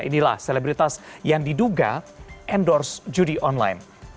inilah selebritas yang diduga endorse judi online